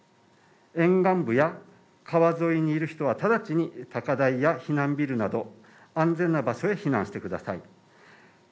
沿岸部や川沿いにいる人は直ちに高台や避難ビルなど安全な場所へ避難してください